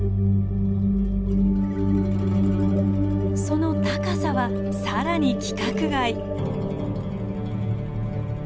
その高さはさらに規格外。